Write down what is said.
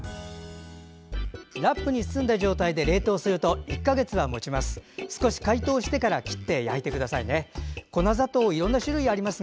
ラップに包んだ状態で冷凍すると１か月はもちます。